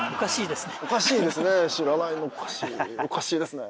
おかしいですねぇ。